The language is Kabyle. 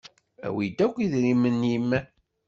Awi-d akk idrimen-im!